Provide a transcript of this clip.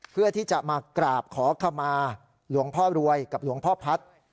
เพื่อที่จะมากราบขอขมาหลวงพ่อรวยกับหลวงพ่อพัฒน์